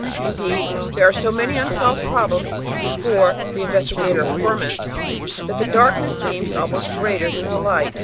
Indeed, there are so many unsolved problems before the investi gator of ferments, that the darkness seems almost greater than the light.